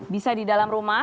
bisa di dalam rumah